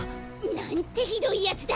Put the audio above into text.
なんてひどいやつだ。